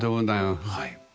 はい。